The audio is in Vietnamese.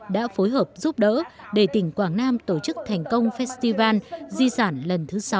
đã phối hợp giúp đỡ để tỉnh quảng nam tổ chức thành công festival di sản lần thứ sáu năm hai nghìn một mươi bảy